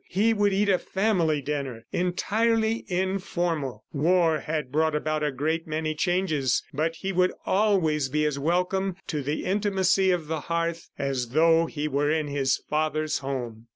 He would eat a family dinner, entirely informal. War had brought about a great many changes, but he would always be as welcome to the intimacy of the hearth as though he were in his father's home.